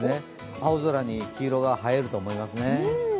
青空に黄色が映えると思いますね。